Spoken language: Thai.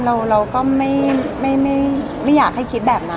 เราก็ไม่อยากให้คิดแบบนั้น